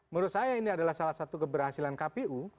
menurut saya ini adalah salah satu keberhasilan kpu